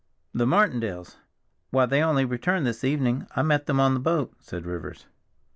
"The Martindales! Why, they only returned this evening—I met them on the boat," said Rivers.